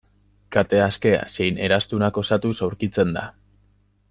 Kate askea zein eraztunak osatuz aurkitzen da.